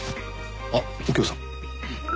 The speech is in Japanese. あっ右京さん。